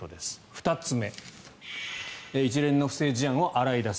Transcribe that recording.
２つ目一連の不正事案を洗い出す。